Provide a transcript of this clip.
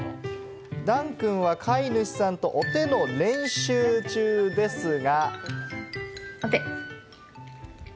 ダンくんは飼い主さんとお手の練習中ですが。